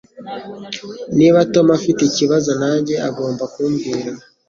Niba Tom afite ikibazo nanjye agomba kumbwira